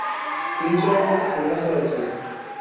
اینجا هم مثل خونهی خودتونه